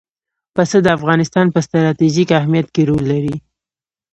پسه د افغانستان په ستراتیژیک اهمیت کې رول لري.